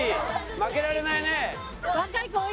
負けられないね。